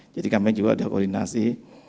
jadi kami juga ada koordinasi